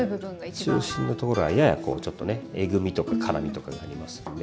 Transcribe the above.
中心のところはややこうちょっとねえぐみとか辛みとかがありますので。